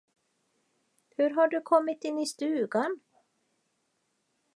Hur har du kommit in i stugan?